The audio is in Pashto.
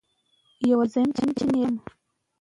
چې وښيي اخلاق، حیا، کار، زحمت او ځانساتنه تل ګران وي.